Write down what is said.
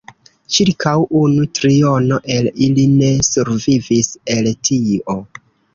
Ĉirkaŭ unu triono el ili ne survivis el tio.